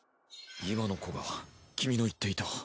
今の子が君の言っていた。